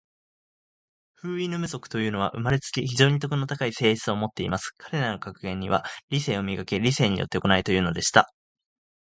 フウイヌム族というのは、生れつき、非常に徳の高い性質を持っています。彼等の格言は、『理性を磨け。理性によって行え。』というのでした。